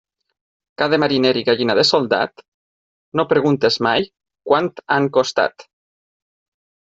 Ca de mariner i gallina de soldat, no preguntes mai quant han costat.